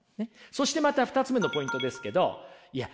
そしてまた２つ目のポイントですけどいや